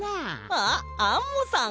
あっアンモさん